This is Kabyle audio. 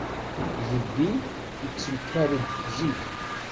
Jeddi yettenkar-d zik.